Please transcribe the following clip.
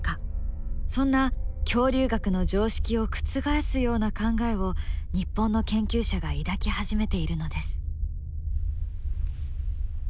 そんな恐竜学の常識を覆すような考えを日本の研究者が抱き始めているのです。